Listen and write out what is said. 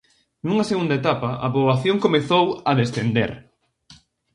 Nunha segunda etapa, a poboación comezou a descender.